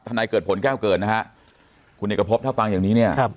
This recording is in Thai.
นายเกิดผลแก้วเกิดนะฮะคุณเอกพบถ้าฟังอย่างนี้เนี่ยครับ